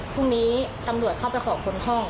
พรุ่งนี้ตำรวจเข้าไปขอค้นห้อง